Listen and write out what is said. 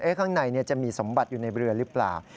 ข้างในจะมีสมบัติอยู่ในเรือหรือเปล่า